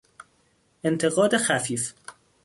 انتقاد خفیف